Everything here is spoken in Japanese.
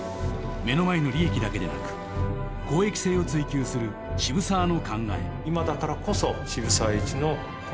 目の前の利益だけでなく公益性を追求する渋沢の考え。